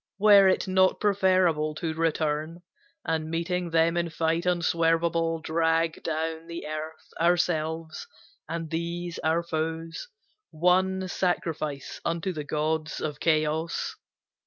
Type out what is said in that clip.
Were it not preferable to return, And meeting them in fight unswervable, Drag down the earth, ourselves, and these our foes, One sacrifice unto the gods of Chaos?